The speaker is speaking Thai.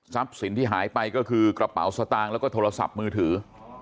สินที่หายไปก็คือกระเป๋าสตางค์แล้วก็โทรศัพท์มือถือ